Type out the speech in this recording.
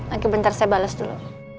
oke bentar saya balas dulu